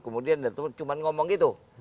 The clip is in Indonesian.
kemudian cuma ngomong gitu